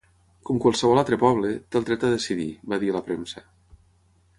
Com qualsevol altre poble, té el dret a decidir, va dir a la premsa.